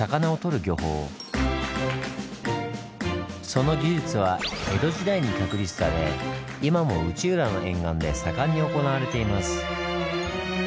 その技術は江戸時代に確立され今も内浦の沿岸で盛んに行われています。